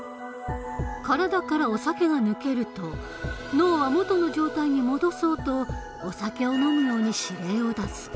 体からお酒が抜けると脳は元の状態に戻そうとお酒を飲むように指令を出す。